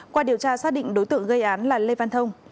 qua điều tra xác định đối tượng gây án là lê văn thông